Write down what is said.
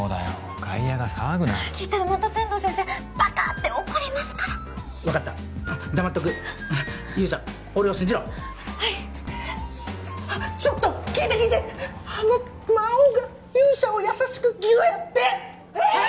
外野が騒ぐな聞いたらまた天堂先生バカって怒りますから分かった黙っとく勇者俺を信じろはいあっちょっと聞いて聞いてあの魔王が勇者を優しくギュッやってえっ？